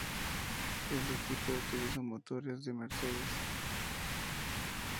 El equipo utilizó motores de Mercedes.